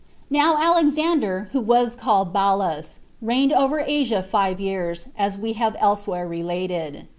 Now Alexander, who was called Balas, reigned over Asia five years, as we have elsewhere related.